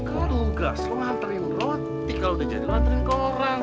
tugas lo nganterin roti kalau udah jadi lo nganterin ke orang